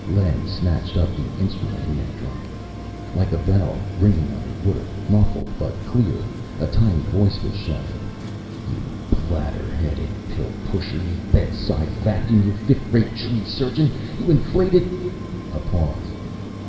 Len snatched up the instrument he had dropped. Like a bell ringing under water, muffled but clear, a tiny voice was shouting: "_You bladder headed pillpusher! You bedside vacuum! You fifth rate tree surgeon! You inflated _" A pause.